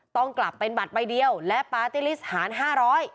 ต้องกลับเป็นบัตรใบเดียวและปาร์ตี้ลิสต์หารห้าร้อย